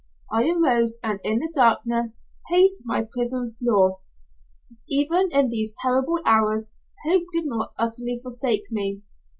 I arose, and in the darkness paced my prison floor. Even in these terrible hours hope did not utterly forsake me.